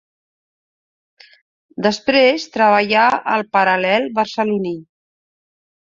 Després, treballà al Paral·lel barceloní.